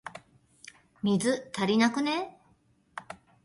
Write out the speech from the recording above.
水、足りなくね？